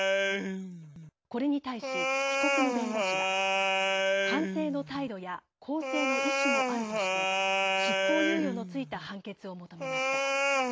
これに対し、被告の弁護士は反省の態度や更生の意志もあるとして執行猶予の付いた判決を求めました。